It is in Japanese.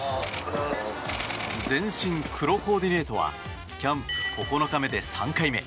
全身黒コーディネートはキャンプ９日目で３回目。